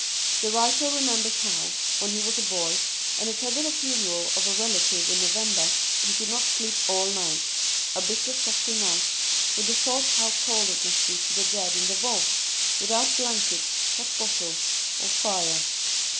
The writer remembers how, when he was a boy, and attended a funeral of a relative in November, he could not sleep all night — a bitter, frosty night — with the thought how cold it must be to the dead in the vault, without blankets, hot bottle, or fire.